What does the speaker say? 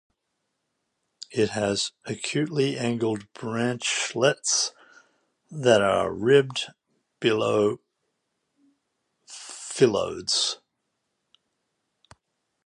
It has acutely angled branchlets that are ribbed below phyllodes.